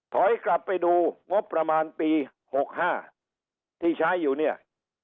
ถอยกลับไปดูงบประมาณปี๖๕ที่ใช้อยู่เนี่ย